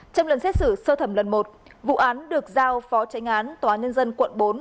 trong lần xét xử sơ thẩm lần một vụ án được giao phó tránh án tòa nhân dân quận bốn